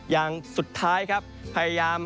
อย่างสุดท้ายครับพยายาม